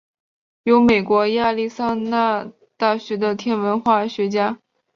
由美国亚利桑那大学的天文化学家。